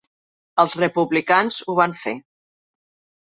Els Republicans ho van fer.